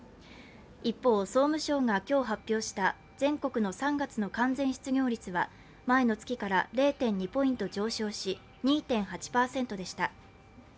一方、総務省が今日発表した全国の３月の完全失業率は前の月から０．２ポイント上昇し２．８％でした。